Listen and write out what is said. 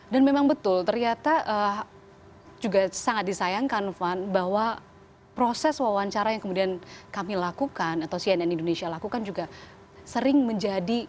dan memang betul ternyata juga sangat disayangkan fani bahwa proses wawancara yang kemudian kami lakukan atau cnn indonesia lakukan juga sering menjadi